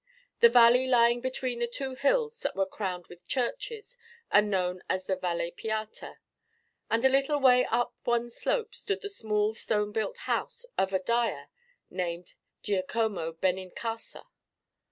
The valley lying between the two hills that were crowned with churches was known as the Valle Piatta, and a little way up one slope stood the small stone built house of a dyer named Giacomo Benincasa.